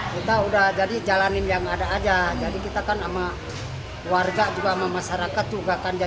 kita udah jadi jalanin yang ada aja jadi kita kan sama warga juga sama masyarakat juga kan